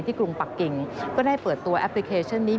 กรุงปักกิ่งก็ได้เปิดตัวแอปพลิเคชันนี้